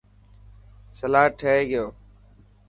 سلاد ٺهي گيو.